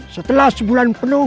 setelah salatik berdoa kepada allah